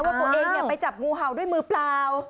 ว่าตัวเองไปจับงูเห่าด้วยมือเปล่า